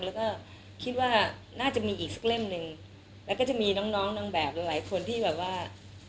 แล้วก็คิดว่าน่าจะมีอีกสักเล่มหนึ่งแล้วก็จะมีน้องน้องนางแบบหลายหลายคนที่แบบว่า